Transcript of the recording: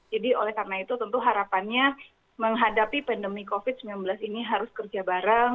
jadi oleh karena itu tentu harapannya menghadapi pandemi covid sembilan belas ini harus kerja bareng